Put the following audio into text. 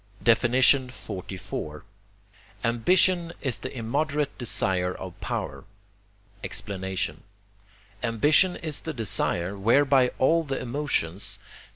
XLIV. Ambition is the immoderate desire of power. Explanation Ambition is the desire, whereby all the emotions (cf.